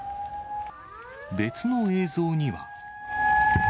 別の映像には。